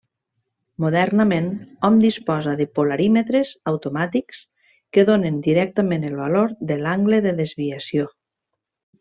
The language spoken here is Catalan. Modernament hom disposa de polarímetres automàtics que donen directament el valor de l'angle de desviació.